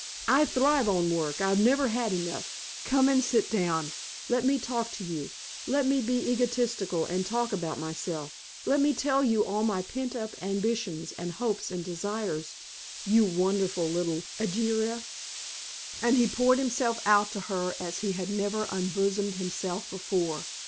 I thrive on work. I've never had enough. Come and sit down. Let me talk to you. Let me be egotistical and talk about myself. Let me tell you all my pent up ambitions and hopes and desires you wonderful little Egeria!" And he poured himself out to her as he had never unbosomed himself before.